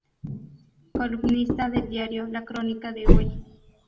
Columnista del diario La Crónica de Hoy.